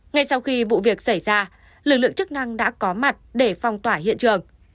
ngay sau khi vụ việc xảy ra lực lượng chức năng đã có mặt để phong tỏa hiện trường